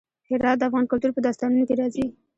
هرات د افغان کلتور په داستانونو کې راځي.